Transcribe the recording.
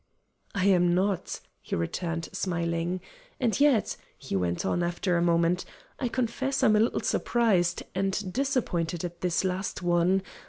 "I'm not," he returned, smiling. "And yet," he went on, after a moment, "I confess I'm a little surprised and disappointed at this last one.